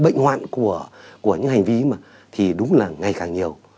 bệnh hoạn của những hành vi mà thì đúng là ngày càng nhiều